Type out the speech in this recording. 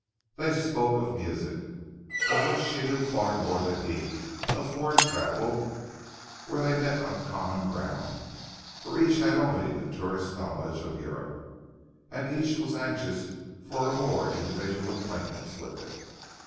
They spoke of music, of which she knew far more than he; of foreign travel, where they met on common ground, for each had only the tourist's knowledge of Europe, and each was anxious for a more individual acquaintance with it.